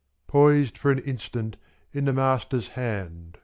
Poised for an instant in The Master's hand.